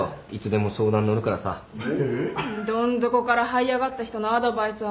どん底からはい上がった人のアドバイスは重みが違うからね。